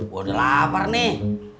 gue udah lapar nih